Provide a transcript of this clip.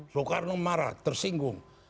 soekarno marah tersinggung